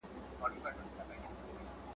اې په خوب ویده ماشومه! `